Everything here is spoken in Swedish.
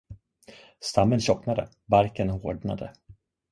Stammen tjocknade, barken hårdnade.